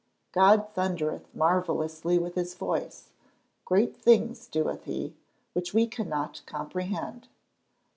[Verse: "God thundereth marvellously with his voice: great things doeth he, which we cannot comprehend."